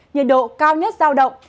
nhiệt độ cao nhất giao động